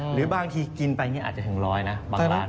หรือบางที่กินไปอาจจะถึง๑๐๐บาทเนี่ย